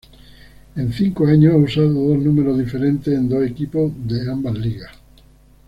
En cinco años ha usado dos números diferentes en dos equipos de ambas ligas.